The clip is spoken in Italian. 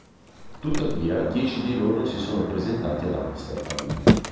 Tuttavia, dieci di loro si sono presentati ad Amsterdam.